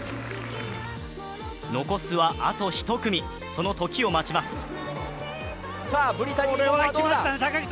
残すは、あと１組、そのときを待ちます。